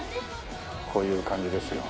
こういう感じですよ。